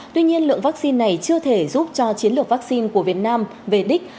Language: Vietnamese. tuy nhiên lượng vaccine này chưa thể giúp cho chiến lược vaccine của việt nam về đích